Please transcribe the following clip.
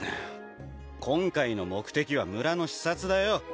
今回の目的は村の視察だよ